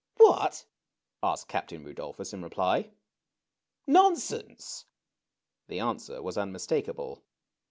"What?" asked Captain Rudolphus in reply. " Nonsense !!" The answer was unmistakable.